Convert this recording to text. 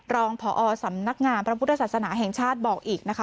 รองพอสำนักงานพระพุทธศาสนาแห่งชาติบอกอีกนะคะ